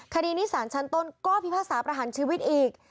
คดีนี้สารชั้นต้นก็พิพากษาประหารชีวิตอีก